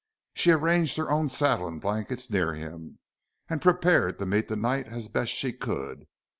She arranged her own saddle and blankets near him, and prepared to meet the night as best she could.